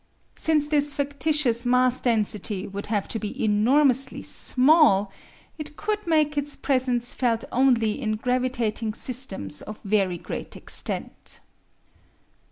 Since this factitious mass density would have to be enormously small, it could make its presence felt only in gravitating systems of very great extent.